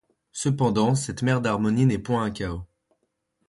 Cependant cette mer d’harmonie n’est point un chaos.